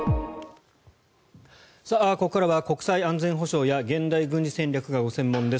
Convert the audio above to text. ここからは国際安全保障や現代軍事戦略がご専門です